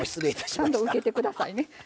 ちゃんと受けてくださいね。